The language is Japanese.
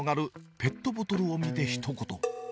ペットボトルを見てひと言。